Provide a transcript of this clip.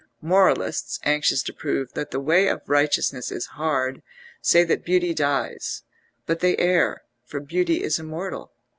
Moralists, anxious to prove that the way of righteousness is hard, say that beauty dies, but they err, for beauty is immortal.